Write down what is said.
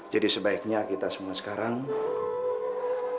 jadi sebaiknya kita semua sekarang minta bantuan kepada allah